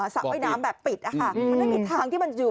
สระไว้น้ำแบบปิดค่ะมันไม่มีทางที่มันจะอยู่